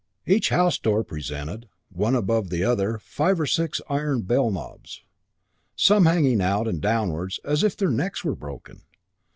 Each house door presented, one above the other, five or six iron bell knobs, some hanging out and downwards, as if their necks were broken.